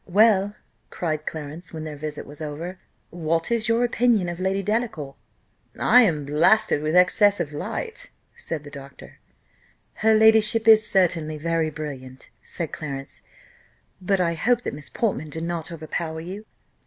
"Well," cried Clarence, when their visit was over, "what is your opinion of Lady Delacour?" "I am 'blasted with excess of light,'" said the doctor. "Her ladyship is certainly very brilliant," said Clarence, "but I hope that Miss Portman did not overpower you."